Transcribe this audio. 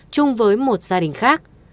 chung với một gia đình khác